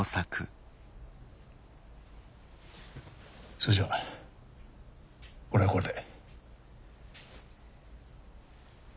それじゃ俺はこれで。